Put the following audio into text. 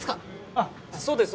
あっそうです